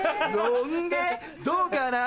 どうかな？